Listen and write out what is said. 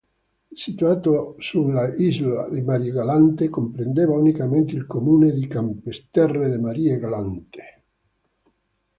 Situato sull'isola di Marie-Galante, comprendeva unicamente il comune di Capesterre-de-Marie-Galante.